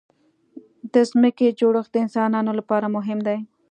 د ځمکې جوړښت د انسانانو لپاره مهم دی.